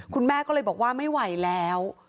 คุณแม่ก็เลยบอกว่าไม่ไหวแล้ว